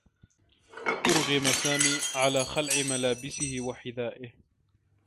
أُرغِم سامي على خلع ملابسه و حذائه.